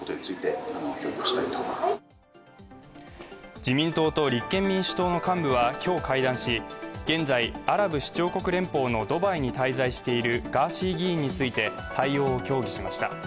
自民党と立憲民主党の幹部は今日会談し現在、アラブ首長国連邦のドバイに滞在しているガーシー議員について対応を協議しました。